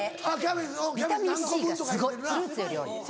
ビタミンＣがすごいフルーツより多い。